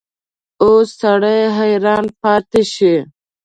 اوس سړی حیران پاتې شي.